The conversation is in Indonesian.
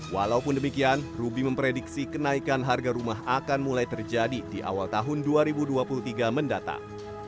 walaupun demikian ruby memprediksi kenaikan harga rumah akan mulai terjadi di awal tahun dua ribu dua puluh tiga mendatang